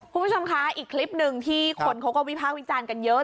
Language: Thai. คุณผู้ชมคะอีกคลิปหนึ่งที่คนเขาก็วิพากษ์วิจารณ์กันเยอะ